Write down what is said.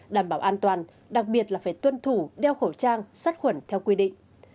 đảm bảo an toàn đặc biệt là phải tuân thủ đeo khẩu trang sắt khuẩn theo quy định